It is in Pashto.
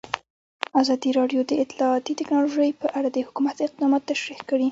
ازادي راډیو د اطلاعاتی تکنالوژي په اړه د حکومت اقدامات تشریح کړي.